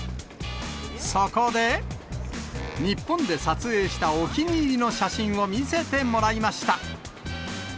そこで、日本で撮影したお気に入りの写真を見せてもらいました。